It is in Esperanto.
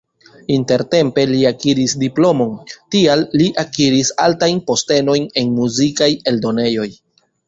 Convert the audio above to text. Intertempe li akiris diplomon, tial li akiris altajn postenojn en muzikaj eldonejoj.